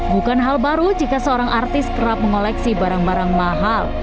bukan hal baru jika seorang artis kerap mengoleksi barang barang mahal